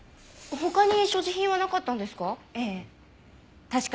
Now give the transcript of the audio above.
他に所持品はなかったんですか？